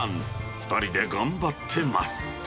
２人で頑張ってます。